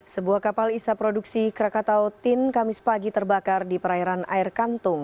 sebuah kapal isap produksi krakatau tin kamis pagi terbakar di perairan air kantung